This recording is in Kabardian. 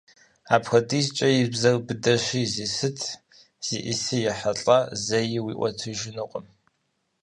Апхуэдизкӏэ и бзэр быдэщи, зи сыт зиӏыси ехьэлӏэ, зэи уиӏуэтэжынукъым.